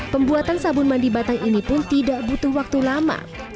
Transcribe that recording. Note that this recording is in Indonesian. pembuatan sabun mandi batang ini pun tidak butuh waktu lama